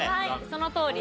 そのとおり。